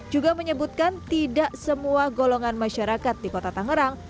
juga menyebutkan tidak semua golongan masyarakat di kota tangerang